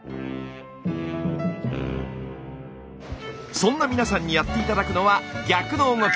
そんな皆さんにやって頂くのは逆の動き。